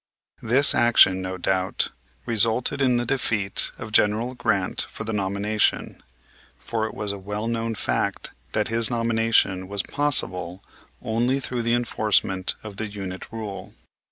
This action, no doubt, resulted in the defeat of General Grant for the nomination; for it was a well known fact that his nomination was possible only through the enforcement of the unit rule.